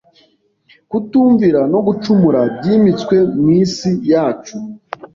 kutumvira no gucumura byimitswe mu isi yacu.